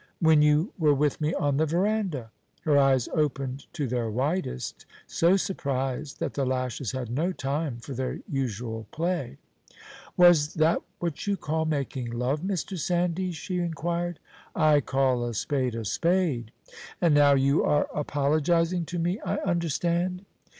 "When you were with me on the veranda." Her eyes opened to their widest, so surprised that the lashes had no time for their usual play. "Was that what you call making love, Mr. Sandys?" she inquired. "I call a spade a spade." "And now you are apologizing to me, I understand?"